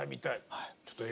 はい。